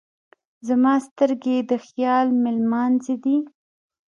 زما سترګې یې د خیال مېلمانځی دی.